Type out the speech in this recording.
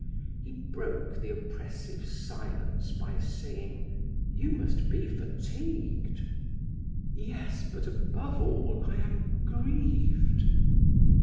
He broke the oppressive silence by saying: "You must be fatigued." "Yes, but above all I am grieved."